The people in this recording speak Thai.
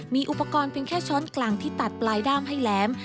มีอุปกรณ์เป็นแค่ช้อนกลางที่ตัดปลายด้ามให้แหลม